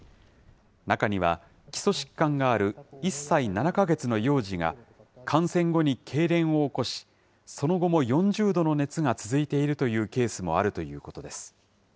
中には、基礎疾患がある１歳７か月の幼児が、感染後にけいれんを起こし、その後も４０度の熱が続いているケースもあるということです。